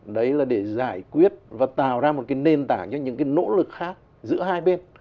đấy là để giải quyết và tạo ra một cái nền tảng cho những cái nỗ lực khác giữa hai bên